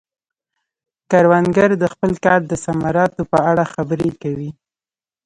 کروندګر د خپل کار د ثمراتو په اړه خبرې کوي